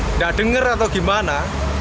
nggak dengar atau gimana